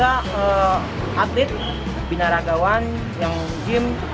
ada yang berat atlet binaragawan yang gym